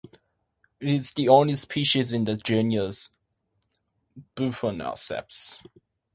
It is the only species in the genus Bufoniceps.